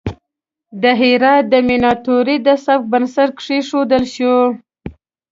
د هرات د میناتوری د سبک بنسټ کیښودل شو.